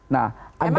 nah ada politik